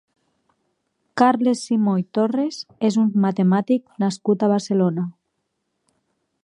Carles Simó i Torres és un matemàtic nascut a Barcelona.